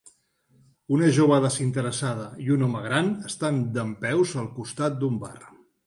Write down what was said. Una jove desinteressada i un home gran estan dempeus al costat d'un bar.